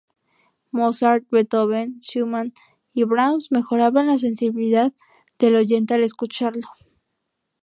Mozart, Beethoven, Schumann y Brahms mejoraban la sensibilidad del oyente al escucharlo.